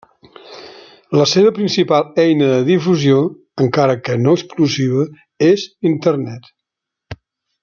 La seva principal eina de difusió, encara que no exclusiva, és Internet.